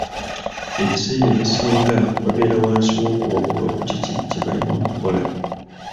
Ebiseera ebisinga babeera wansi w’okuwabulwa ku kiki kye balina okukola.